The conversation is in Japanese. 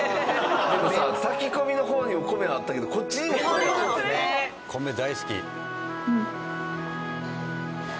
でもさ炊き込みの方にも米あったけどこっちにも米ある。